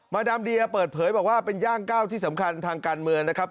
ดามเดียเปิดเผยบอกว่าเป็นย่างก้าวที่สำคัญทางการเมืองนะครับ